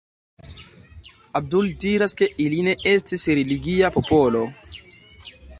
Abdul diras ke ili ne estis religia popolo.